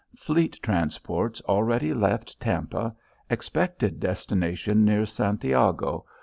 Fleet transports already left Tampa. Expected destination near Santiago.